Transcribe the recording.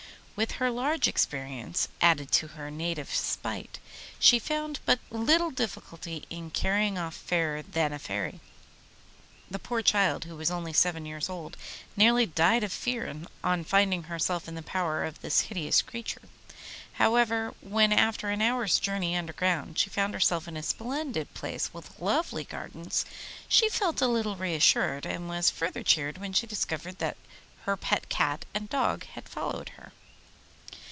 With her large experience, added to her native spite, she found but little difficulty in carrying off Fairer than a Fairy. The poor child, who was only seven years old, nearly died of fear on finding herself in the power of this hideous creature. However, when after an hour's journey underground she found herself in a splendid palace with lovely gardens, she felt a little reassured, and was further cheered when she discovered that her pet cat and dog had followed her.